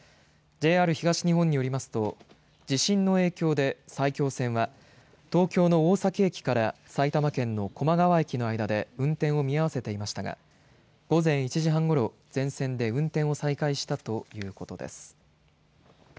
ＪＲ東日本によりますと地震の影響で埼京線は東京の大崎駅から埼玉県の高麗川駅の間で運転を見合わせていましたが午前１時半ごろ全線で運転を再開したということです。